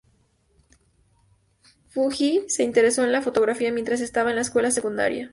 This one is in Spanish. Fujii se interesó en la fotografía mientras estaba en la escuela secundaria.